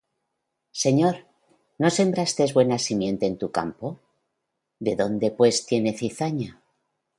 Señor, ¿no sembraste buena simiente en tu campo? ¿de dónde, pues, tiene cizaña?